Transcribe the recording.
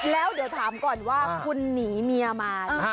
แล้วเดี๋ยวถามก่อนว่าคุณหนีเมียมา